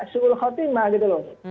seul khotimah gitu loh